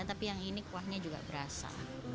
tapi yang ini kuahnya juga berasa